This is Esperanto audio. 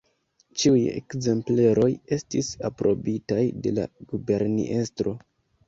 Ĉiuj ekzempleroj estis aprobitaj de la guberniestro.